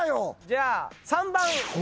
じゃあ３番。